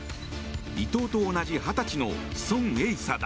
伊藤と同じ２０歳のソン・エイサだ。